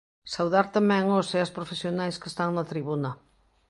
Saudar tamén os e as profesionais que están na tribuna.